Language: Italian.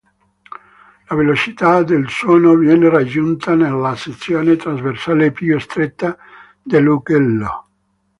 La velocità del suono viene raggiunta nella sezione trasversale più stretta dell'ugello.